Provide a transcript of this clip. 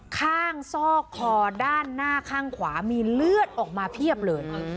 ข้างซอกคอด้านหน้าข้างขวามีเลือดออกมาเพียบเลย